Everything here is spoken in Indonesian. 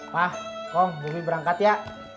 pak kong bumi berangkat ya